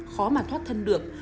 khó mà thoát thân được